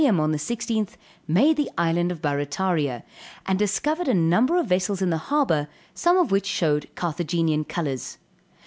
M. on the 16th, made the Island of Barrataria, and discovered a number of vessels in the harbor, some of which shewed Carthagenian colors.